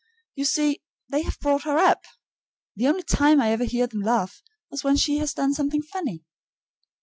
You see, they have brought her up. The only time I ever hear them laugh is when she has done something funny.